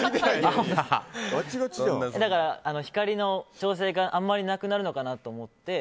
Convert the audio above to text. だから、光の調整があまりなくなるのかなと思って。